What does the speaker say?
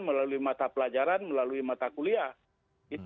melalui mata pelajaran melalui mata kuliah